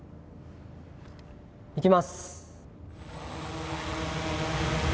いきます。